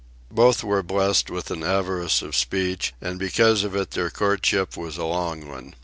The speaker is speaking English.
Both were blessed with an avarice of speech, and because of it their courtship was a long one.